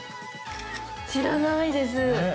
知らないです。ね。